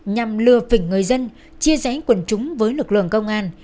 nhằm lừa phỉnh người dân chia rẽnh quần trúng với lực lượng công an